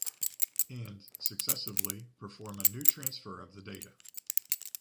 And, successively, perform a new transfer of the data.